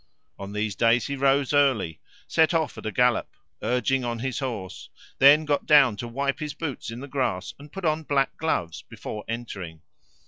On these days he rose early, set off at a gallop, urging on his horse, then got down to wipe his boots in the grass and put on black gloves before entering.